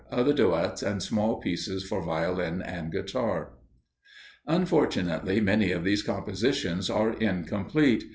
Other Duetts and small Pieces for Violin and Guitar. Unfortunately many of these compositions are incomplete.